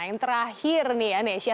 nah yang terakhir nih ya nesya